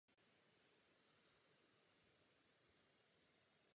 Jak bylo ve zprávě správně zdůrazněno, toto se musí změnit.